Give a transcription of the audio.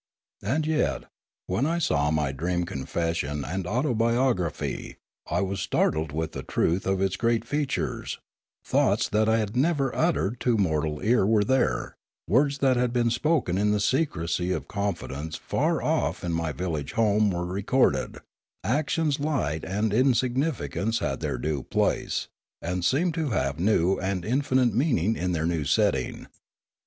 And yet, when I saw my dream confession and autobiography, I was startled with the truth of its great features; thoughts that I had never uttered to mortal ear were there; words that had been spoken in the secrecy of confidence far off in my village home were recorded; actions light and insignificant had their due place, and seemed to have new and infinite meaniug in their new setting.